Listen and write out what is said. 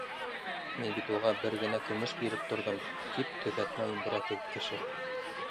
— Мин бит уға бер генә көмөш биреп торҙом, — тип төҙәтмә индерә теге кеше.